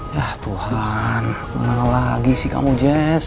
ya tuhan kenapa lagi sih kamu jess